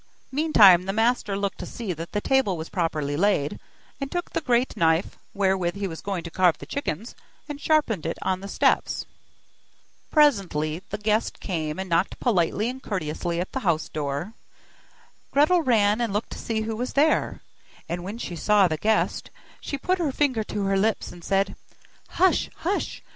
Meantime the master looked to see that the table was properly laid, and took the great knife, wherewith he was going to carve the chickens, and sharpened it on the steps. Presently the guest came, and knocked politely and courteously at the house door. Gretel ran, and looked to see who was there, and when she saw the guest, she put her finger to her lips and said: 'Hush! hush!